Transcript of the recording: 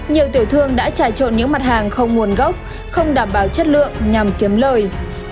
nhiều tiểu thương đã trà trộn những mặt hàng không nguồn gốc không đảm bảo chất lượng nhằm kiếm lời